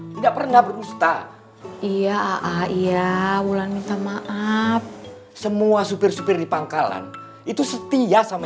tidak pernah berpusta iya ayah minta maaf semua supir supir di pangkalan itu setia sama